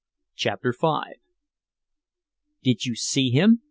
CHAPTER V "Did you see him?"